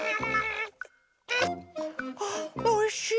あおいしい。